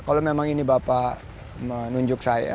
kalau memang ini bapak menunjuk saya